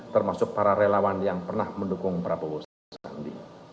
termasuk para relawan yang pernah mendukung prabowo sandi